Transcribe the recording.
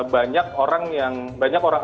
banyak orang yang banyak orang